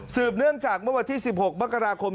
เนื่องจากเมื่อวันที่๑๖มกราคม